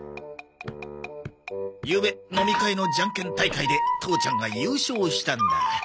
ゆうべ飲み会のジャンケン大会で父ちゃんが優勝したんだ。